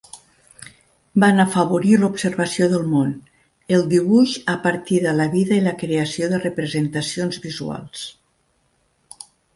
Van afavorir l'observació del món, el dibuix a partir de la vida i la creació de representacions visuals.